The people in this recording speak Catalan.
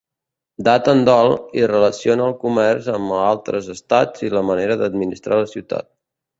Daten del i relaciona el comerç amb altres estats i la manera d'administrar la ciutat.